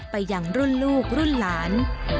ไปอย่างรุ่นลูกรุ่นหลาน